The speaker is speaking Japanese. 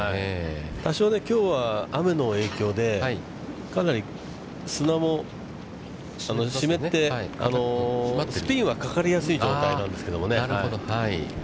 多少きょうは雨の影響でかなり砂も湿って、スピンはかかりやすい状態なんですけれどもね。